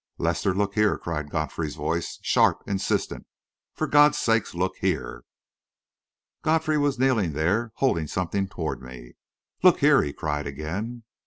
"Lester, look here!" cried Godfrey's voice, sharp, insistent. "For God's sake, look here!" Godfrey was kneeling there holding something toward me. "Look here!" he cried again.